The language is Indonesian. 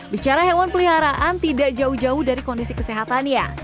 bicara hewan peliharaan tidak jauh jauh dari kondisi kesehatannya